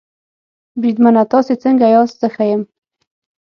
بریدمنه تاسې څنګه یاست؟ زه ښه یم.